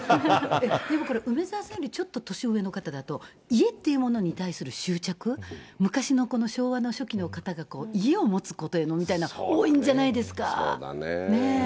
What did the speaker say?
でもこれ、梅沢さんより、ちょっと年上の方だと、家っていうものに対する執着、昔のこの昭和の初期の方が、家を持つことへのみたいなの、多いんそうだね。